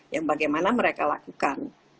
yang bagaimana mereka lakukan